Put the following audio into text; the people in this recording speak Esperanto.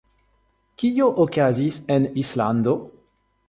Kio okazis en Islando?